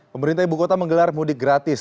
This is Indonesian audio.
pemerintah ibu kota menggelar mudik gratis